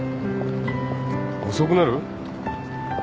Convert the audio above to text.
遅くなる？